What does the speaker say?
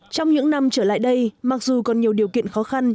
trong những năm trở lại đây mặc dù còn nhiều điều kiện khó khăn